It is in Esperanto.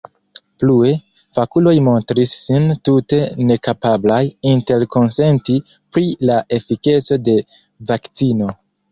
Plue: fakuloj montris sin tute nekapablaj interkonsenti pri la efikeco de vakcino.